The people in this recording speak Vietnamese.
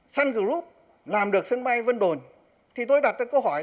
sun group làm được sân bay vân đồn thì tôi đặt ra câu hỏi